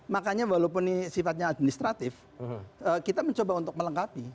makanya walaupun ini sifatnya administratif kita mencoba untuk melengkapi